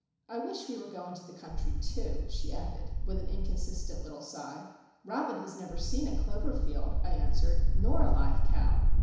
I wish we were going to the country, too!" she added, with an inconsistent little sigh. "Robin has never seen a clover field," I answered, "nor a live cow.